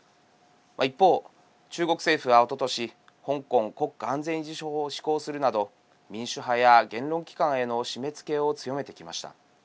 一方、中国政府は、おととし香港国家安全維持法を施行するなど民主派や言論機関への締めつけを強めてきました。